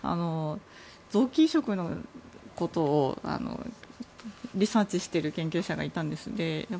臓器移植のことをリサーチしてる研究者がいたんです。